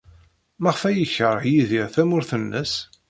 Maɣef ay yekṛeh Yidir tamurt-nnes?